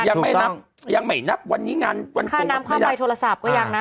ยังไม่นับยังไม่นับวันนี้งานวันข้างในโทรศัพท์ก็ยังนะ